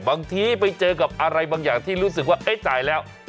บางทีไปเจอกับอะไรบางอย่างที่รู้สึกว่าเอ๊ะจ่ายแล้ว